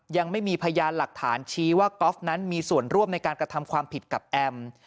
ยังไม่มีพยานหลักฐานชี้ว่าก๊อฟนั้นมีส่วนร่วมในการกระทำความผิดกับแอม